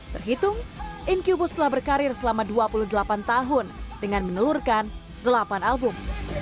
terhitung incubus telah berkarir selama dua puluh delapan tahun dengan menelurkan delapan album